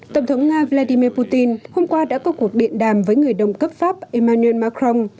tổng thống nga vladimir putin hôm qua đã có cuộc điện đàm với người đồng cấp pháp emmanuel macron